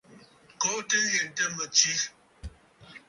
Kɔʼɔtə ŋghɛntə mə tswe.